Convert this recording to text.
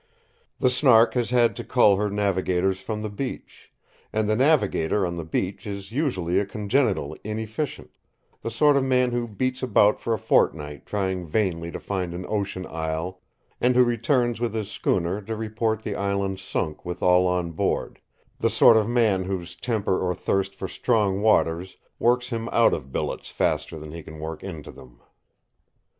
The Snark has had to cull her navigators from the beach, and the navigator on the beach is usually a congenital inefficient—the sort of man who beats about for a fortnight trying vainly to find an ocean isle and who returns with his schooner to report the island sunk with all on board, the sort of man whose temper or thirst for strong waters works him out of billets faster than he can work into them.